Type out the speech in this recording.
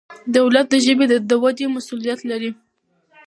دولت د ژبې د ودې مسؤلیت لري.